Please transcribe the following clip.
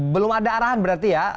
belum ada arahan berarti ya